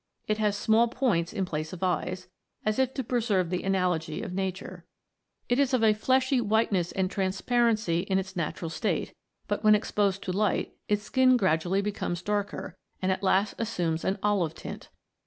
It has small points in place of eyes, as if to preserve the analogy of nature. It is of a fleshy whiteness and transparency in its 96 THE MAGIC OF THE SUNBEAM. natural state, but when exposed to light, its skin gradually becomes darker, and at last assumes an olive tint.